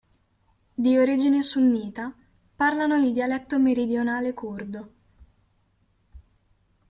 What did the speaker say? Di origine sunnita, parlano il dialetto meridionale curdo.